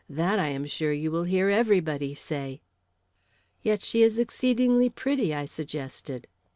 That, I am sure, you will hear everybody say." "Yet she is exceedingly pretty," I suggested.